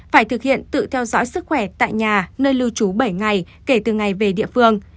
phải thực hiện tự theo dõi sức khỏe tại nhà nơi lưu trú bảy ngày kể từ ngày về địa phương